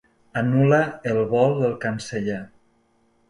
Anul·la el vol del canceller.